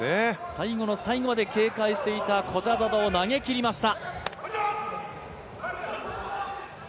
最後の最後まで警戒していたコジャゾダを投げきりました。